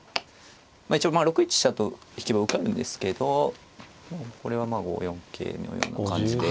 一応６一飛車と引けば受かるんですけどこれはまあ５四桂のような感じで。